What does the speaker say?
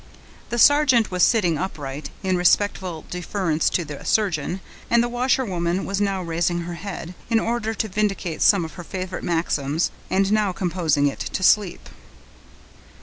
The sergeant was sitting upright, in respectful deference to the surgeon, and the washerwoman was now raising her head, in order to vindicate some of her favorite maxims, and now composing it to sleep.